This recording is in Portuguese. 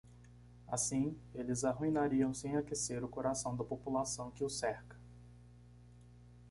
Assim, eles arruinariam sem aquecer o coração da população que os cerca.